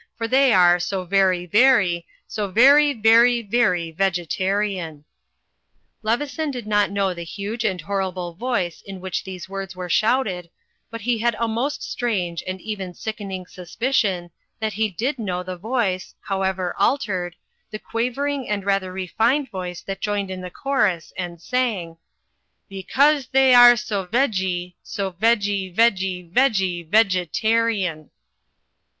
For they are so very, very. So very, very, very Vegetarian. Leveson did not know the huge and horrible voice in which these words were shouted, but he had a most strange and even sickening suspicion that he did know the voice, however altered, the quavering and rather refined voice that joined in the chorus and sang, "Because they are so vegy, So vegy, vegy, vegy Vegetarian."